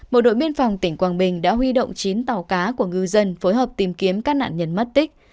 bộ đội biên phòng tỉnh quảng bình đã huy động chín tàu cá của ngư dân phối hợp tìm kiếm các nạn nhân mất tích